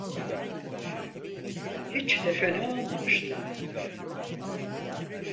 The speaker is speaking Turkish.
Hiç de fena olmamıştı.